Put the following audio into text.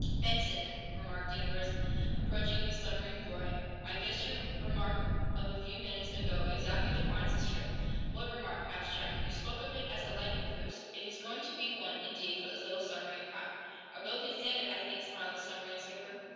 "Benson," remarked Danvers, approaching the submarine boy, "I guess your remark of a few minutes ago exactly defines this trip." "What remark?" asked Jack. "You spoke of it as a lightning cruise. It is going to be one, indeed, for these little submarine craft." "Our boat can stand it, I think," smiled the submarine skipper.